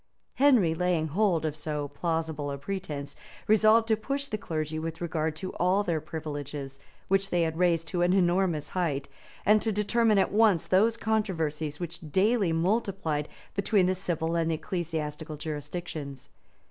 Henry, laying hold of so plausible a pretence, resolved to push the clergy with regard to all their privileges, which they had raised to an enormous height, and to determine at once those controversies which daily multiplied between the civil and the ecclesiastical jurisdictions.